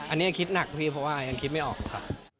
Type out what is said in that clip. อันนี้ยังคิดหนักพี่เพราะว่ายังคิดไม่ออกค่ะ